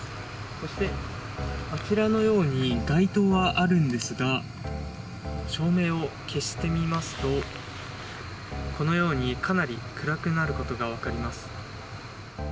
そして、あちらのように街灯はあるんですが照明を消してみますと、かなり暗くなることが分かります。